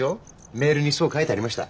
メールにそう書いてありました。